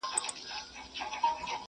موږ په خټه او په اصل پاچاهان یو!!